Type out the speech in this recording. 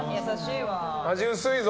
味薄いぞ！